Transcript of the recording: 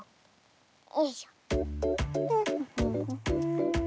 よいしょ。